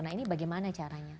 nah ini bagaimana caranya